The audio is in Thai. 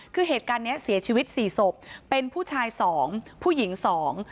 คือเหตุการณ์เนี้ยเสียชีวิตสี่ศพเป็นผู้ชายสองผู้หญิงสอง